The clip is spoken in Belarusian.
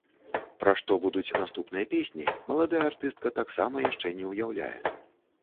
Пра што будуць наступныя песні, маладая артыстка таксама яшчэ не ўяўляе.